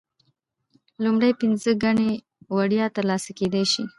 لومړۍ پنځه ګڼې وړیا ترلاسه کیدی شي.